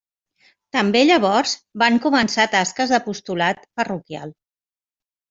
També llavors van començar tasques d'apostolat parroquial.